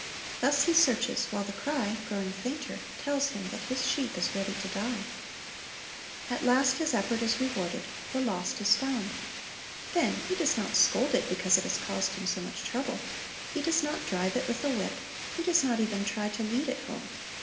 Thus he searches, while the cry, growing fainter, tells him that his sheep is ready to die. At last his effort is rewarded; the lost is found. Then he does not scold it because it has caused him so much trouble. He (|oes not drive it with a whip. He does not even try to lead it home.